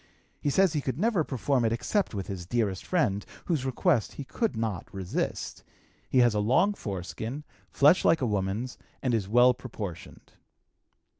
He says he could never perform it except with his dearest friend, whose request he could not resist. He has a long foreskin, flesh like a woman's, and is well proportioned.